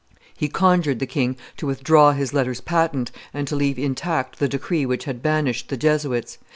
He conjured the king to withdraw his letters patent, and to leave intact the decree which had banished the Jesuits.